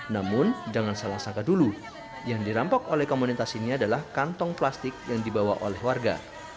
namun jangan salah sangka dulu yang dirampok oleh komunitas ini adalah kantong plastik yang dibawa oleh warga